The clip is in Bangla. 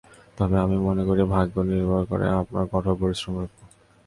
তবে আমি মনে করি, ভাগ্য নির্ভর করে আপনার কঠোর পরিশ্রমের ওপর।